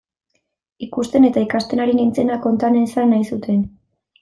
Ikusten eta ikasten ari nintzena konta nezan nahi zuten.